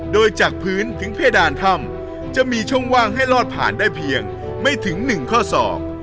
โดยจากพื้นถึงเพดานถ้ำจะมีช่องว่างให้ลอดผ่านได้เพียงไม่ถึงหนึ่งข้อสอง